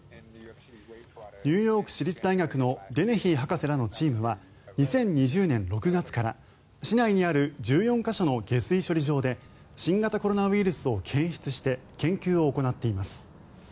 ニューヨーク市立大学のデネヒー博士らのチームは２０２０年６月から市内にある１４か所の下水処理場で新型コロナウイルスを検出して研究を行っています。